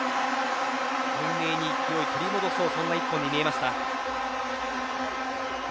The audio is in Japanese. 勢いを取り戻そうそんな１本に見えました。